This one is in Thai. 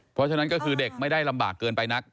เพราะฉะนั้นก็คือเด็กไม่ได้ลำบากเกินไปนัก